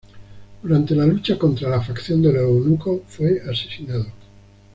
Durante la lucha contra la facción de los eunucos, fue asesinado.